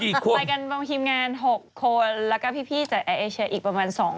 คอยกันบางทีมงาน๖คนแล้วก็พี่จากแอร์เอเชียอีกประมาณ๒คน